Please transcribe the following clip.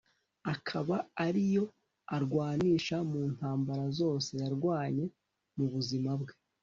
akaba ari yo arwanisha mu ntambara zose yarwanye mu buzima bwe